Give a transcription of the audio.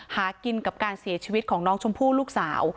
หากินกับการเสียชีวิตของน้องชมพู่ลูกสาว